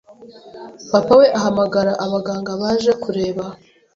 papa we ahamagara abaganga baje kureba